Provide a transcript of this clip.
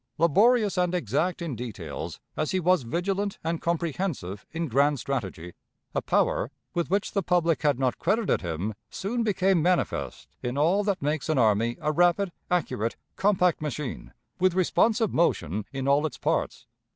Laborious and exact in details, as he was vigilant and comprehensive in grand strategy, a power, with which the public had not credited him, soon became manifest in all that makes an army a rapid, accurate, compact machine, with responsive motion in all its parts.